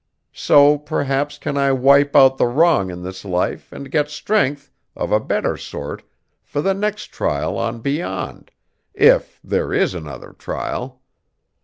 So, perhaps, can I wipe out the wrong in this life and get strength of a better sort for the next trial on beyond, if there is another trial!